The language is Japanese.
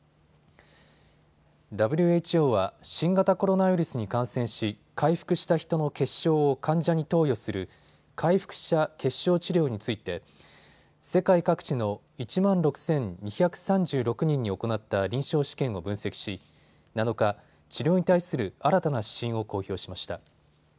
ＷＨＯは新型コロナウイルスに感染し、回復した人の血しょうを患者に投与する回復者血しょう治療について世界各地の１万６２３６人に行った臨床試験を分析し７日、治療に対する新たな指針を公表しました。